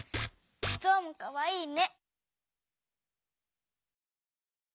ゾウもかわいいね。